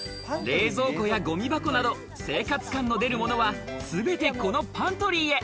冷蔵庫やごみ箱など、生活感の出るものはすべて、このパントリーへ。